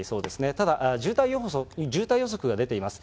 ただ渋滞予測が出ています。